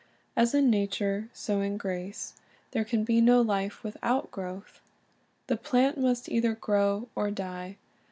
As in nature, so in grace; there can be no life without growth. The plant must either grow or die.